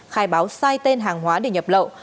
khai báo sai tên hàng hóa để nhập lậu